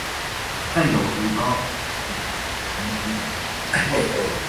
北海道羽幌町